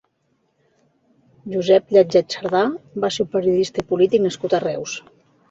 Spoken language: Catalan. Josep Lletget Sardà va ser un periodista i polític nascut a Reus.